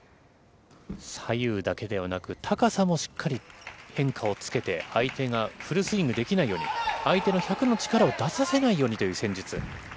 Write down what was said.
左右だけではなく、高さもしっかり変化をつけて、相手がフルスイングできないように、相手の１００の力を出させないようにという戦術。